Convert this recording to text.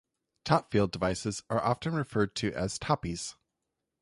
Topfield devices are often referred to as "Toppys".